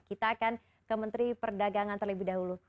kita akan ke menteri perdagangan terlebih dahulu